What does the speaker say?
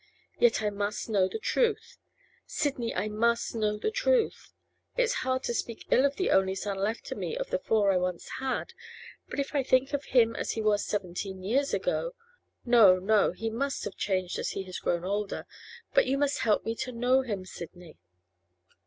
Yet I must know the truth—Sidney, I must know the truth. It's hard to speak ill of the only son left to me out of the four I once had, but if I think of him as he was seventeen years ago—no, no, he must have changed as he has grown older. But you must help me to know him, Sidney.